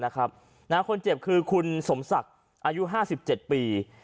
คนเจ็บคือคุณสมศักดิ์อายุ๕๗ปี